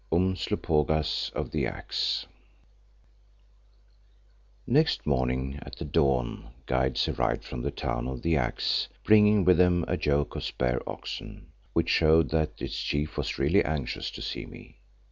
UMSLOPOGAAS OF THE AXE Next morning at the dawn guides arrived from the Town of the Axe, bringing with them a yoke of spare oxen, which showed that its Chief was really anxious to see me.